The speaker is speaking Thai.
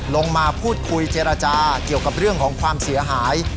ลงมาพูดคุยเจรจาเกี่ยวกับเรื่องของความเสียหาย